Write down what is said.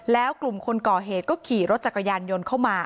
แล้วกลุ่มคนก่อเหตุก็ขี่รถจักรยานยนต์เข้ามา